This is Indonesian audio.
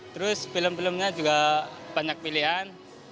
terus film filmnya juga banyak pilihan